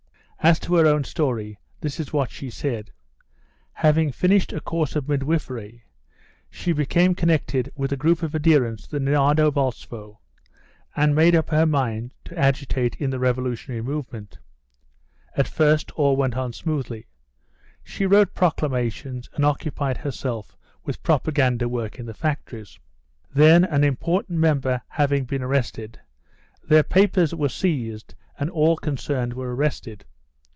As to her own story, this is what she said: Having finished a course of midwifery, she became connected with a group of adherents to the Nardovolstvo, and made up her mind to agitate in the revolutionary movement. At first all went on smoothly. She wrote proclamations and occupied herself with propaganda work in the factories; then, an important member having been arrested, their papers were seized and all concerned were arrested.